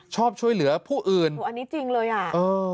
ชอบช่วยเหลือผู้อื่นอันนี้จริงเลยอ่ะเออ